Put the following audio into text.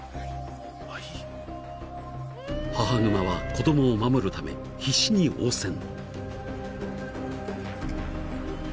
［母グマは子供を守るため必死に応戦］